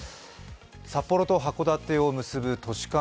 札幌と函館を結ぶ都市間